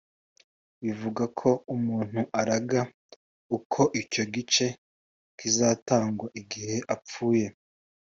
bivuga ko umuntu araga uko icyo gice kizatangwa igihe apfuye.